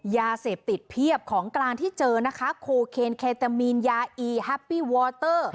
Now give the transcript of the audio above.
ยาเสพติดเพียบของกลางที่เจอนะคะโคเคนเคตามีนยาอีแฮปปี้วอเตอร์